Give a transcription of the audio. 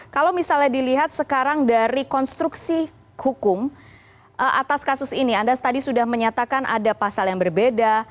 kalau misalnya dilihat sekarang dari konstruksi hukum atas kasus ini anda tadi sudah menyatakan ada pasal yang berbeda